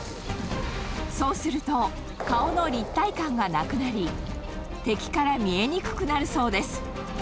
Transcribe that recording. そうすると、顔の立体感がなくなり、敵から見えにくくなるそうです。